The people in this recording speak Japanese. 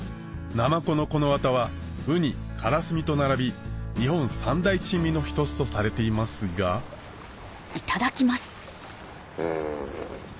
はウニカラスミと並び日本三大珍味の一つとされていますがうん。